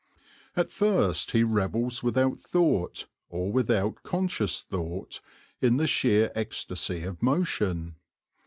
At first he revels without thought, or without conscious thought, in the sheer ecstasy of motion.